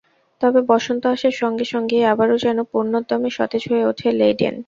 তবে বসন্ত আসার সঙ্গে সঙ্গেই আবারও যেন পূর্ণোদ্যমে সতেজ হয়ে ওঠে লেইডেন।